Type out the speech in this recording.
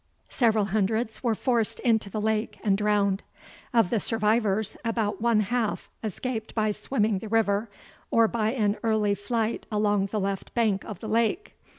Several hundreds were forced into the lake and drowned. Of the survivors, about one half escaped by swimming the river, or by an early flight along the left bank of the lake.